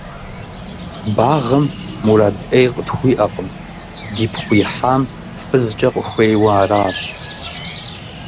Багъым мурад Ӏей къытхуиӀэкъым, дипхъу ихьам фызкӀэ къыхуейуэ аращ.